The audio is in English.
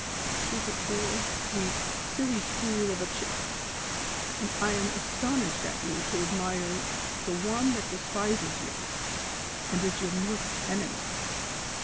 She is a i)oor, weak, silly fool of a chit, and I am astonished at you to admire the one that despises you, and is your mortal enemy."